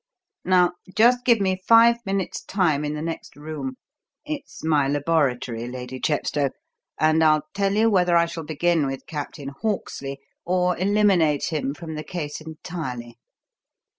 "Now, just give me five minutes' time in the next room it's my laboratory, Lady Chepstow and I'll tell you whether I shall begin with Captain Hawksley or eliminate him from the case entirely.